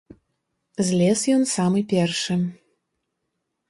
Злез ён самы першы.